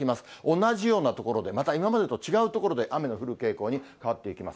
同じような所で、また今までと違う所で雨の降る傾向に変わっていきます。